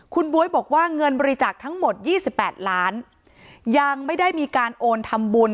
คุณบ๊วยบอกว่าเงินบริจาคทั้งหมด๒๘ล้านยังไม่ได้มีการโอนทำบุญ